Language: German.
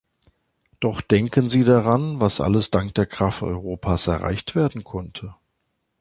Doch denken Sie daran, was alles dank der Kraft Europas erreicht werden konnte.